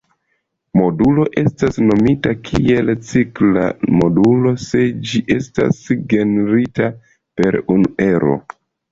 Modulo estas nomita kiel cikla modulo se ĝi estas generita per unu ero.